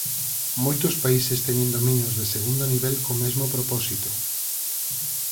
Moitos países teñen dominios de segundo nivel co mesmo propósito.